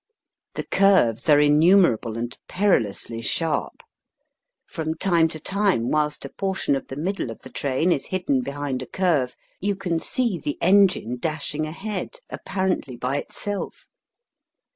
The curves are innumerable and perilously sharp. From time to time, whilst a portion of the middle of the train is hidden behind a curve, you can see the engine dashing ahead, apparently by itself.